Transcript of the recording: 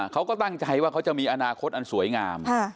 เขาก็ตั้งใจว่าเขาจะมีอนาคตอันสวยงาม